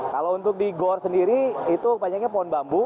kalau untuk di gor sendiri itu banyaknya pohon bambu